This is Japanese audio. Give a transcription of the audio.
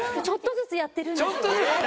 ちょっとずつやってるんですよ。